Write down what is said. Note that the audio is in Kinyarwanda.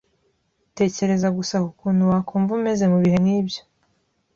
Tekereza gusa ku kuntu wakumva umeze mu bihe nk'ibyo.